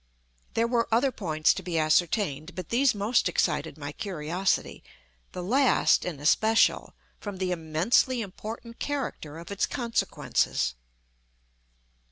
There were other points to be ascertained, but these most excited my curiosity—the last in especial, from the immensely important character of its consequences.